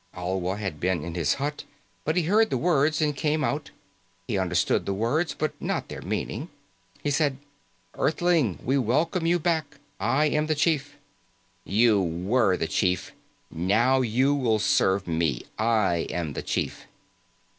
Alwa had been in his hut, but he heard the words and came out. He understood the words, but not their meaning. He said, "Earthling, we welcome you back. I am the chief." "You were the chief. Now you will serve me. I am the chief."